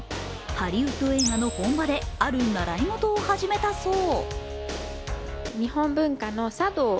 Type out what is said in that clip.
ハリウッド映画の本場である習い事を始めたそう。